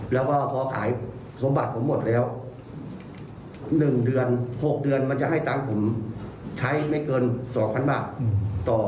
แล้วก็พอขายสมบัติผมหมดแล้ว๑เดือน๖เดือนมันจะให้ตังค์ผมใช้ไม่เกิน๒๐๐๐บาทต่อ